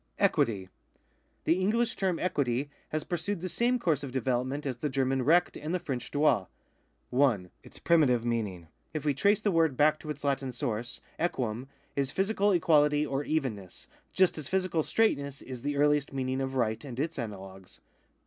EQUITY. — The English term equity has pursued the same course of development as the German recht and the French droit. 1. Its primitive meaning, if we trace the word back to its Latin source, aequum, is physical equality or evenness, just as physical straightness is the earliest meaning of right and its analogues.